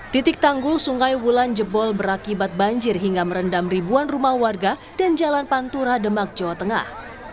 titik tanggul sungai wulan jebol berakibat banjir hingga merendam ribuan rumah warga dan jalan pantura demak jawa tengah